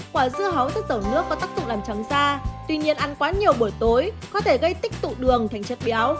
quả dưa hấu rất giàu nước có tác dụng làm trắng da tuy nhiên ăn quá nhiều buổi tối có thể gây tích tụ đường thành chất béo